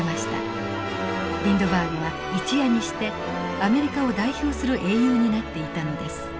リンドバーグは一夜にしてアメリカを代表する英雄になっていたのです。